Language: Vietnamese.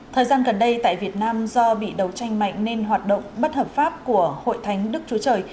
thời gian gần đây tại việt nam do bị đấu tranh mạnh nên hoạt động bất hợp pháp của hội thánh đức chúa trời